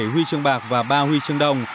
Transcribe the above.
bảy huy chương bạc và ba huy chương đồng